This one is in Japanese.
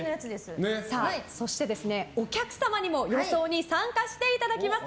そして、お客さんにも予想に参加していただきます。